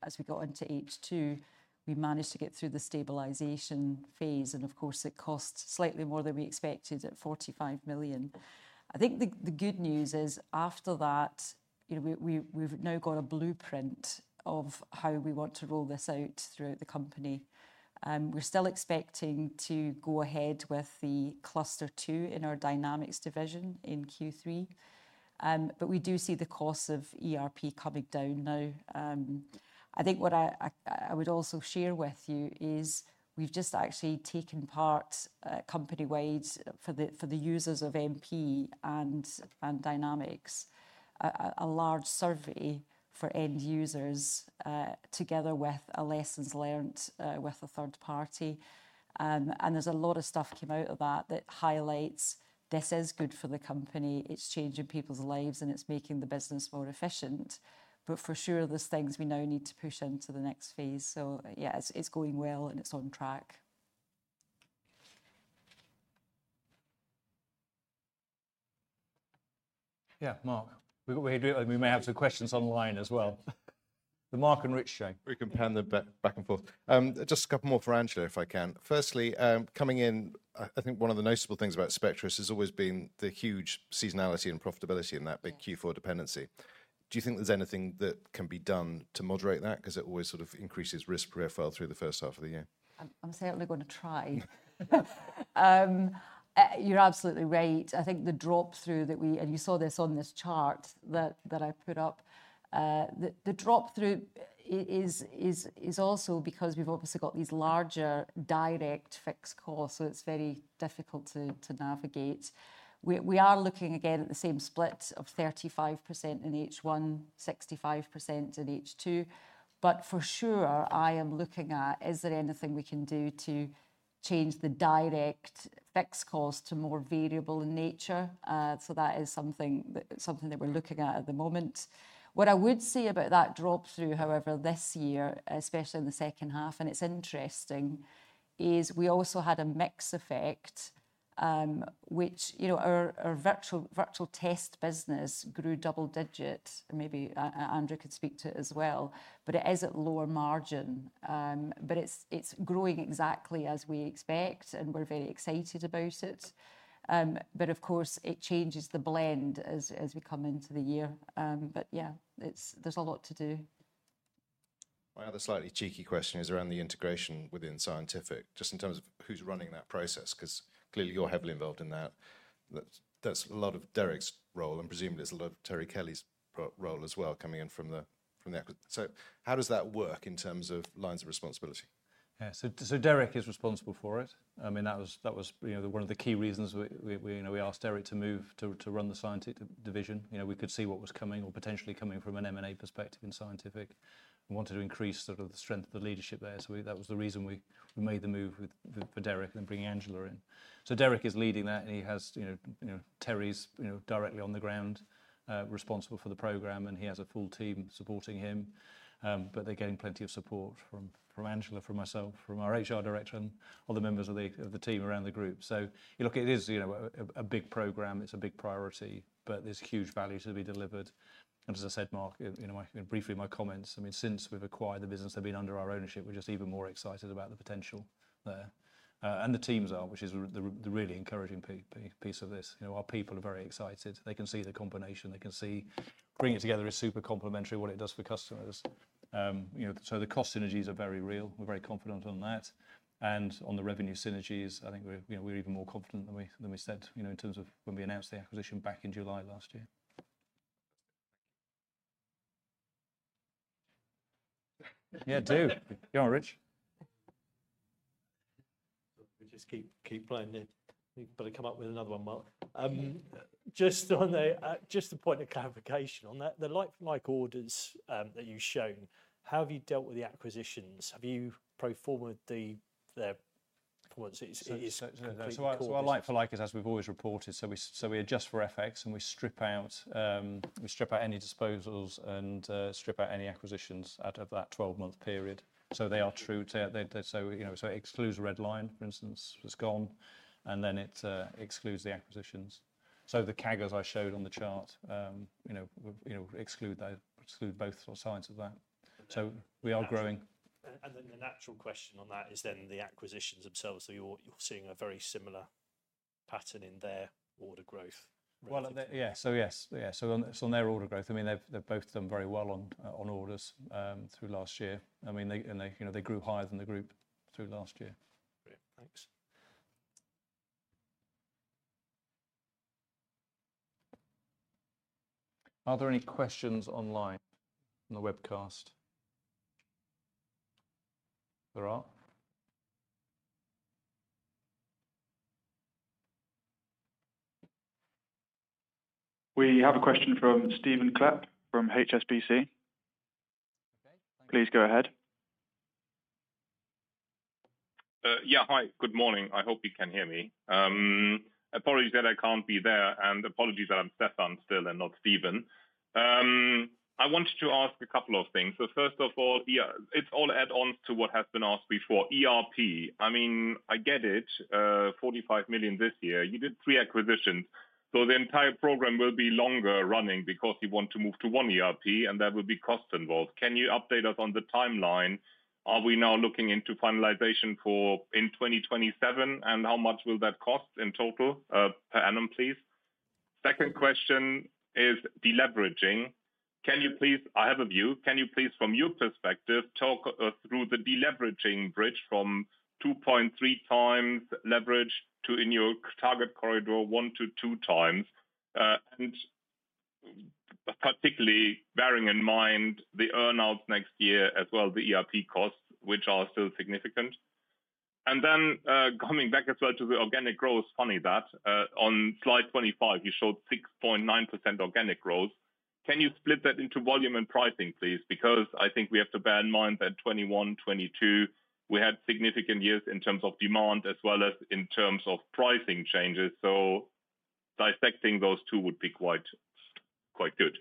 As we got into H2, we managed to get through the stabilization phase. Of course, it cost slightly more than we expected at 45 million. I think the good news is after that, we've now got a blueprint of how we want to roll this out throughout the company. We're still expecting to go ahead with the Cluster 2 in our Dynamics division in Q3. But we do see the cost of ERP coming down now. I think what I would also share with you is we've just actually taken part company-wide for the users of MP and Dynamics, a large survey for end users together with a lessons learned with a third party. There's a lot of stuff came out of that that highlights this is good for the company. It's changing people's lives, and it's making the business more efficient. For sure, there's things we now need to push into the next phase. So yeah, it's going well, and it's on track.
Yeah, Mark, we may have some questions online as well. The Mark and Rich show. We can pan them back and forth.
Just a couple more for Angela, if I can. Firstly, coming in, I think one of the noticeable things about Spectris has always been the huge seasonality and profitability in that big Q4 dependency. Do you think there's anything that can be done to moderate that? Because it always sort of increases risk profile through the first half of the year.
I'm certainly going to try. You're absolutely right. I think the drop-through that we and you saw, this on this chart that I put up. The drop-through is also because we've obviously got these larger direct fixed costs, so it's very difficult to navigate. We are looking again at the same split of 35% in H1, 65% in H2. But for sure, I am looking at, is there anything we can do to change the direct fixed cost to more variable in nature? That is something that we're looking at at the moment. What I would say about that drop-through, however, this year, especially in the second half, and it's interesting, is we also had a mixed effect, which our virtual test business grew double-digit. Maybe Andrew could speak to it as well. But it is at lower margin. But it's growing exactly as we expect, and we're very excited about it. But of course, it changes the blend as we come into the year. But yeah, there's a lot to do.
My other slightly cheeky question is around the integration within Scientific, just in terms of who's running that process, because clearly you're heavily involved in that. That's a lot of Derek's role, and presumably it's a lot of Terry Kelly's role as well, coming in from the acquisition. How does that work in terms of lines of responsibility?
Yeah, so Derek is responsible for it. I mean, that was one of the key reasons we asked Derek to move to run the scientific division. We could see what was coming or potentially coming from an M&A perspective in scientific. We wanted to increase sort of the strength of the leadership there. That was the reason we made the move for Derek and then bringing Angela in. Derek is leading that, and he has Terry directly on the ground responsible for the program, and he has a full team supporting him. But they're getting plenty of support from Angela, from myself, from our HR director, and other members of the team around the group. You look at it as a big program. It's a big priority, but there's huge value to be delivered. As I said, Mark, briefly in my comments, I mean, since we've acquired the business, they've been under our ownership. We're just even more excited about the potential there. The teams are, which is the really encouraging piece of this. Our people are very excited. They can see the combination. They can see bringing it together is super complementary, what it does for customers. The cost synergies are very real. We're very confident on that. On the revenue synergies, I think we're even more confident than we said in terms of when we announced the acquisition back in July last year. Yeah, do. Go on, Rich.
Just keep playing there. You've got to come up with another one, Mark. Just on the point of clarification on that, the like-for-like orders that you've shown, how have you dealt with the acquisitions? Have you pro forma'd the performance?
Our like-for-like is, as we've always reported, so we adjust for FX and we strip out any disposals and strip out any acquisitions out of that 12-month period. So they are true. It excludes Redline, for instance, that's gone. And then it excludes the acquisitions. The CAGRs I showed on the chart exclude both sides of that. We are growing.
The natural question on that is then the acquisitions themselves. So you're seeing a very similar pattern in their order growth.
Well, yeah, so yes. Yeah, so on their order growth, I mean, they've both done very well on orders through last year. I mean, they grew higher than the group through last year.
Thanks.
Are there any questions online on the webcast?
There are. We have a question from Stephen Klepp from HSBC. Please go ahead.
Yeah, hi. Good morning. I hope you can hear me. Apologies that I can't be there and apologies that I'm Stefan still and not Stephen. I wanted to ask a couple of things. So first of all, it's all add-ons to what has been asked before. ERP, I mean, I get it, €45 million this year. You did three acquisitions. So the entire program will be longer running because you want to move to one ERP, and there will be costs involved. Can you update us on the timeline? Are we now looking into finalization in 2027? How much will that cost in total per annum, please? Second question is deleveraging. I have a view. Can you please, from your perspective, talk through the deleveraging bridge from 2.3 times leverage to in your target corridor, one to two times? Particularly bearing in mind the earnouts next year as well, the ERP costs, which are still significant. And then coming back as well to the organic growth, funny that on slide 25, you showed 6.9% organic growth. Can you split that into volume and pricing, please? Because I think we have to bear in mind that 2021, 2022, we had significant years in terms of demand as well as in terms of pricing changes. So dissecting those two would be quite good.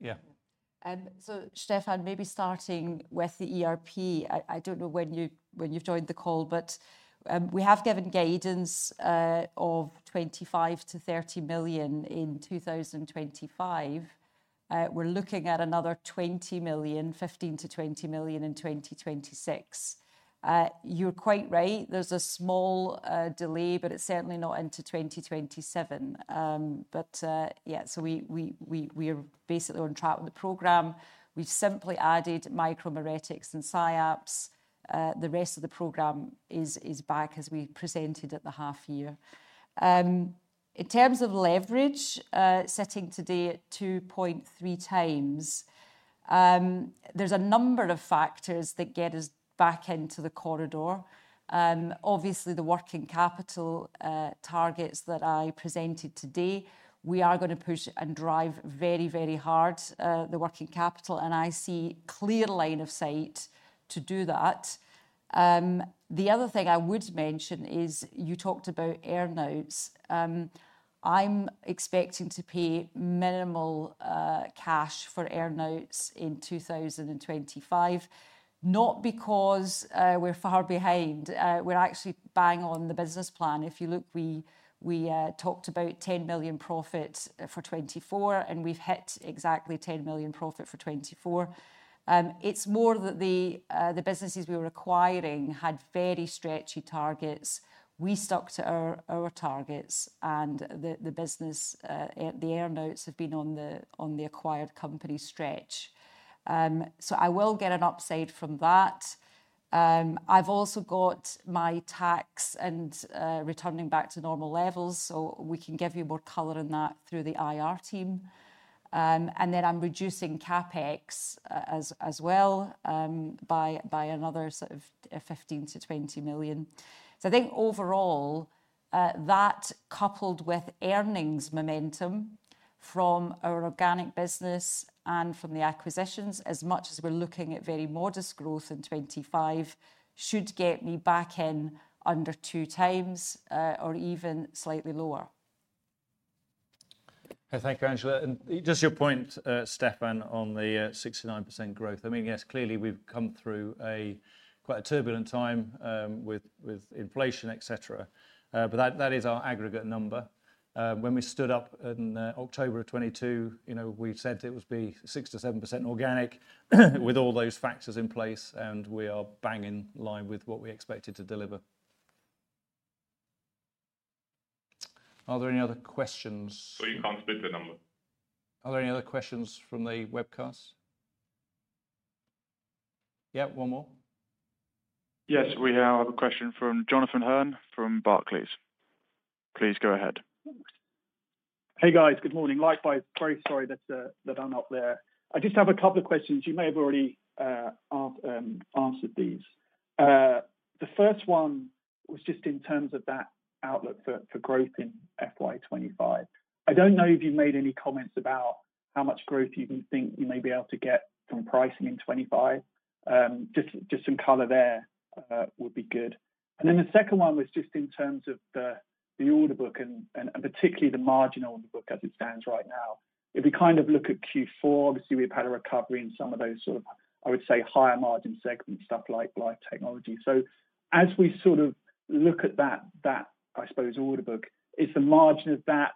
Yeah.
Stefan, maybe starting with the ERP, I don't know when you've joined the call, but we have given gains of €25-€30 million in 2025. We're looking at another €20 million, €15-€20 million in 2026. You're quite right. There's a small delay, but it's certainly not into 2027. But yeah, so we are basically on track with the program. We've simply added Micromeritics and SciAps. The rest of the program is back as we presented at the half year. In terms of leverage, sitting today at 2.3 times, there's a number of factors that get us back into the corridor. Obviously, the working capital targets that I presented today, we are going to push and drive very, very hard the working capital. I see a clear line of sight to do that. The other thing I would mention is you talked about earnouts. I'm expecting to pay minimal cash for earnouts in 2025, not because we're far behind. We're actually buying on the business plan. If you look, we talked about €10 million profit for 2024, and we've hit exactly €10 million profit for 2024. It's more that the businesses we were acquiring had very stretchy targets. We stuck to our targets, and the business, the earnouts have been on the acquired company stretch. I will get an upside from that. I've also got my tax and returning back to normal levels, so we can give you more color on that through the IR team, and then I'm reducing CapEx as well by another sort of €15-€20 million. I think overall, that coupled with earnings momentum from our organic business and from the acquisitions, as much as we're looking at very modest growth in 2025, should get me back in under two times or even slightly lower.
Thank you, Angela. Just your point, Stefan, on the 69% growth. I mean, yes, clearly we've come through quite a turbulent time with inflation, etc. But that is our aggregate number. When we stood up in October of 2022, we said it would be 6%-7% organic with all those factors in place, and we are bang in line with what we expected to deliver.
Are there any other questions? So you can't split the number. Are there any other questions from the webcast?
Yeah, one more. Yes, we have a question from Jonathan Hearn from Barclays. Please go ahead.
Hey, guys, good morning. Likewise, very sorry that I'm not there. I just have a couple of questions. You may have already answered these. The first one was just in terms of that outlook for growth in FY25. I don't know if you made any comments about how much growth you think you may be able to get from pricing in 2025. Just some color there would be good. The second one was just in terms of the order book and particularly the margin on the book as it stands right now. If we kind of look at Q4, obviously we've had a recovery in some of those sort of, I would say, higher margin segment stuff like life technology. As we sort of look at that, I suppose, order book, is the margin on that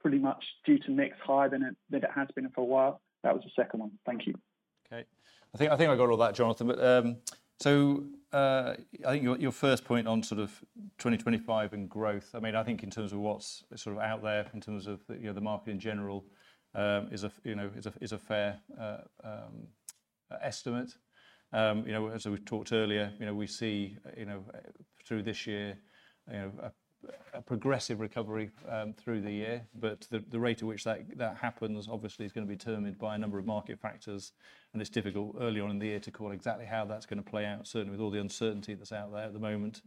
pretty much expected to be higher than it has been for a while? That was the second one. Thank you.
Okay. I think I got all that, Jonathan. So I think your first point on sort of 2025 and growth, I mean, I think in terms of what's sort of out there in terms of the market in general is a fair estimate. As we've talked earlier, we see through this year a progressive recovery through the year. But the rate at which that happens, obviously, is going to be determined by a number of market factors. It's difficult early on in the year to call exactly how that's going to play out, certainly with all the uncertainty that's out there at the moment.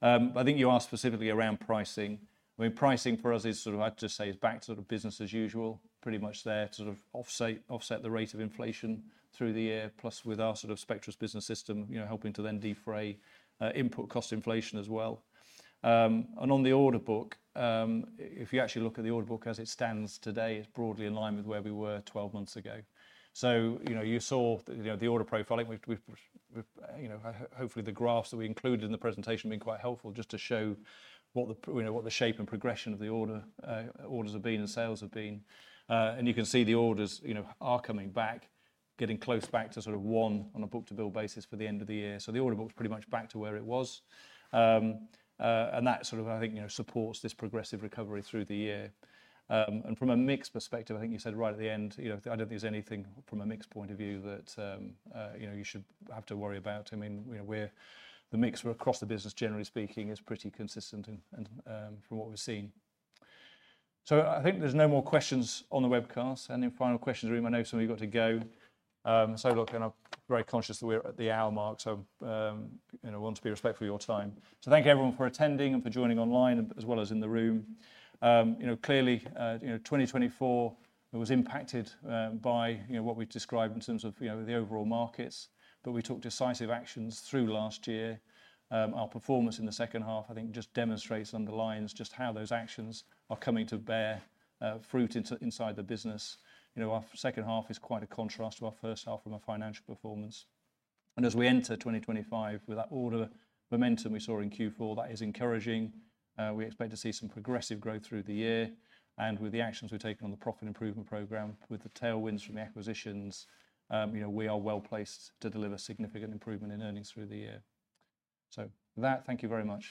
But I think you asked specifically around pricing. I mean, pricing for us is sort of. I'd just say is back to sort of business as usual, pretty much there to sort of offset the rate of inflation through the year, plus with our sort of Spectris Business System helping to then defray input cost inflation as well. On the order book, if you actually look at the order book as it stands today, it's broadly in line with where we were 12 months ago. You saw the order profiling. Hopefully, the graphs that we included in the presentation have been quite helpful just to show what the shape and progression of the orders have been and sales have been. You can see the orders are coming back, getting close back to sort of one on a book-to-bill basis for the end of the year. So the order book's pretty much back to where it was. That sort of, I think, supports this progressive recovery through the year. From a mix perspective, I think you said right at the end, I don't think there's anything from a mix point of view that you should have to worry about. I mean, the mix across the business, generally speaking, is pretty consistent from what we've seen. I think there's no more questions on the webcast. And then final questions, I know some of you got to go. So look, I'm very conscious that we're at the hour mark, so I want to be respectful of your time. Thank you, everyone, for attending and for joining online as well as in the room. Clearly, 2024 was impacted by what we've described in terms of the overall markets. But we took decisive actions through last year. Our performance in the second half, I think, just demonstrates and underlines just how those actions are coming to bear fruit inside the business. Our second half is quite a contrast to our first half from our financial performance. As we enter 2025 with that order momentum we saw in Q4, that is encouraging. We expect to see some progressive growth through the year. With the actions we've taken on the Profit Improvement Program, with the tailwinds from the acquisitions, we are well placed to deliver significant improvement in earnings through the year. With that, thank you very much.